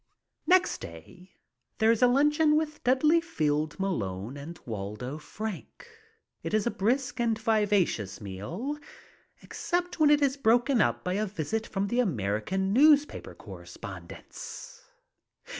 Next day there is a luncheon with Dudley Field M alone and Waldo Frank. It is a brisk and vivacious meal except when it is broken up by a visit from the American newspaper correspondents.